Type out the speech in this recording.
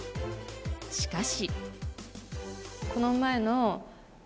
しかし。